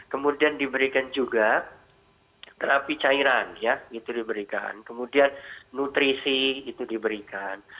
kemudian diberikan juga terapi cairan ya itu diberikan kemudian nutrisi itu diberikan